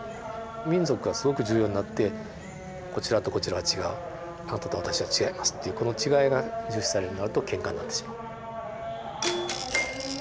民族がすごく重要になってこちらとこちらは違うあなたと私は違いますっていうこの違いが重視されるようになるとケンカになってしまう。